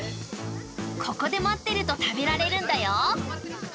ここで待ってると食べられるんだよ。